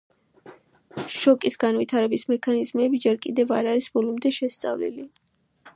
შოკის განვითარების მექანიზმები ჯერ კიდევ არ არის ბოლომდე შესწავლილი.